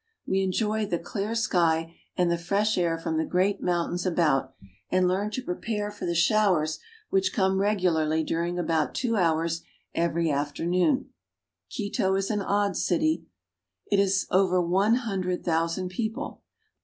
We enjoy the clear sky and the fresh air from the great mountains about, and learn to prepare for the showers which come regularly during about two hours every afternoon. Quito is an odd city. It has over one hundred thousand people.